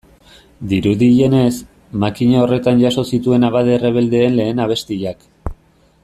Dirudienez, makina horretan jaso zituen abade errebeldeen lehen abestiak.